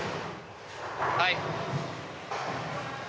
はい。